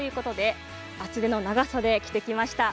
厚手の長袖を着てきました。